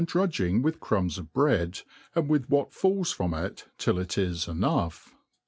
drudg4 ing with crumbs of bread, and with what fal)s from it til} it it enough.